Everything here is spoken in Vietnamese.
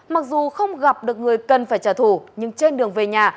mặc dù không gặp được người cần phải trả thù nhưng trên đường về nhà